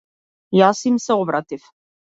Јас им се обратив.